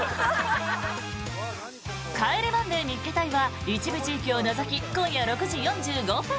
「帰れマンデー見っけ隊！！」は一部地域を除き今夜６時４５分。